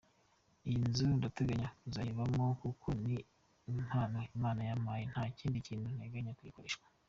Iyi nzu ndateganya kuzayibamo kuko ni impano Imana yampaye, nta kindi kintu nteganya kuyikoreshwa”.